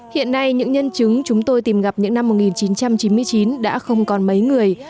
hiện nay những nhân chứng chúng tôi tìm gặp những năm một nghìn chín trăm chín mươi chín đã không còn mấy người